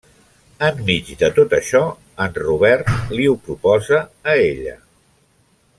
Enmig de tot això, en Robert li ho proposa a ella.